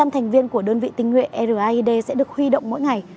hai trăm linh thành viên của đơn vị tinh nguyện raed sẽ được huy động mỗi ngày